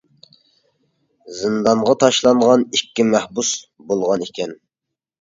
زىندانغا تاشلانغان ئىككى مەھبۇس بولغان ئىكەن.